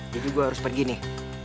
jadi gue harus pergi nih